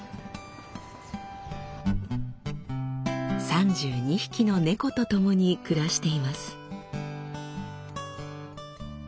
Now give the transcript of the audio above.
３２匹の猫とともに暮らしています。